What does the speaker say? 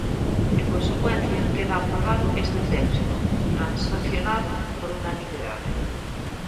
En consecuencia, queda aprobado este texto transacionado por unanimidade.